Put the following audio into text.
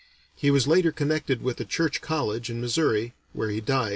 He was later connected with a church college in Missouri, where he died in 1898.